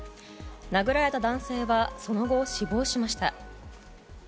殴られた男性はその後、死亡しました。